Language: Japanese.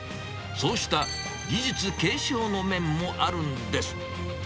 そうした技術継承の面もあるんです。